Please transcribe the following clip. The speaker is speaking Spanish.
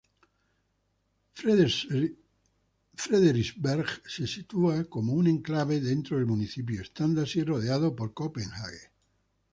Frederiksberg se sitúa como un enclave dentro del municipio, estando así rodeado por Copenhague.